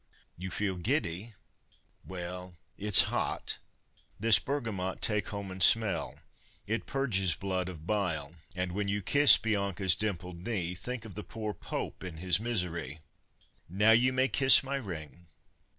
You feel giddy? Well, it's hot! This bergamot Take home and smell it purges blood of bile! And when you kiss Bianca's dimpled knee, Think of the poor Pope in his misery! Now you may kiss my ring!